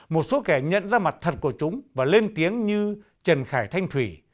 một số kẻ nhận ra mặt thật của chúng và lên tiếng như trần khải thanh thủy